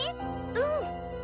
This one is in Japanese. うん。